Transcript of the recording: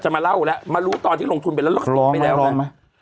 จะมาเล่าแล้วมารู้ตอนที่ลงทุนไปแล้วร้องมั้ยร้องมั้ย